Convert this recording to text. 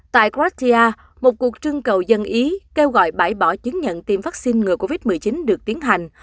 tại gratia một cuộc trưng cầu dân ý kêu gọi bãi bỏ chứng nhận tiêm vaccine ngừa covid một mươi chín được tiến hành